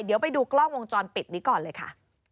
เดี๋ยวไปดูกล้องวงจรปิดนี้ก่อนเลยค่ะ